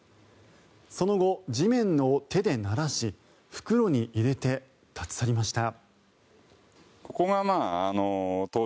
その後、地面を手でならし袋に入れて立ち去りました。